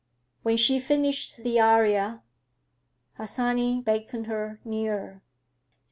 When she finished the aria, Harsanyi beckoned her nearer.